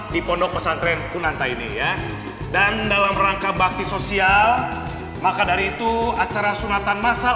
di pondok pesantren kunanta ini ya dan dalam rangka bakti sosial maka dari itu acara sunatan masal